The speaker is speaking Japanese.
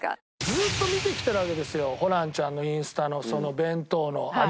ずっと見てきてるわけですよホランちゃんのインスタの弁当の有り様を。